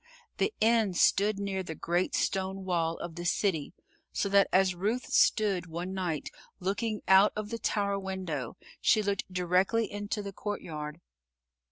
The inn stood near the great stone wall of the city, so that as Ruth stood, one night, looking out of the tower window, she looked directly into the courtyard.